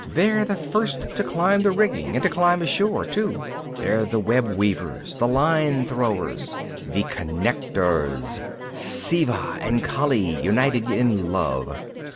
They're the first to climb the rigging and to climb ashore too. They're the web weavers, the line throwers, the connectors, Siva and Kali united in love.